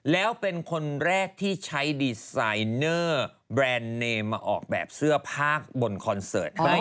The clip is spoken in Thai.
แล้วเป็นคนแรกที่ใช้ดีไซเนอร์แบรนด์เนมมาออกแบบเสื้อผ้าบนคอนเสิร์ต